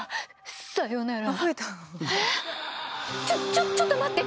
ちょちょっちょっと待って！